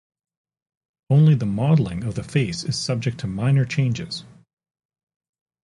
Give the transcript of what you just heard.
Only the modelling of the face is subject to minor changes.